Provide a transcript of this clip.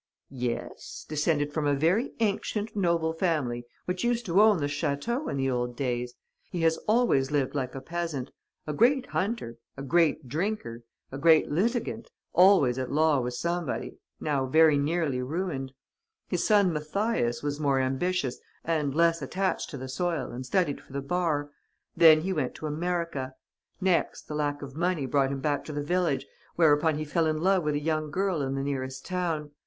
"'Yes, descended from a very ancient, noble family which used to own the château in the old days. He has always lived like a peasant: a great hunter, a great drinker, a great litigant, always at law with somebody, now very nearly ruined. His son Mathias was more ambitious and less attached to the soil and studied for the bar. Then he went to America. Next, the lack of money brought him back to the village, whereupon he fell in love with a young girl in the nearest town.